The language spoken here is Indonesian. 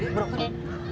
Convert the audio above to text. dia berok tadi